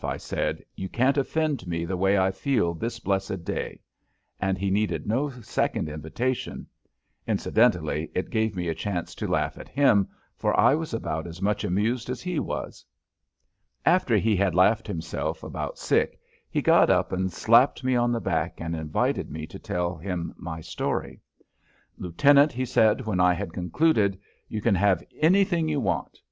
I said. "You can't offend me the way I feel this blessed day!" And he needed no second invitation. Incidentally, it gave me a chance to laugh at him, for I was about as much amused as he was. After he had laughed himself about sick he got up and slapped me on the back and invited me to tell him my story. "Lieutenant," he said, when I had concluded, "you can have anything you want.